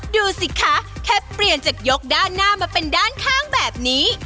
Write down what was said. ดูสิคะแค่เปลี่ยนจากยกด้านหน้ามาเป็นด้านข้างแบบนี้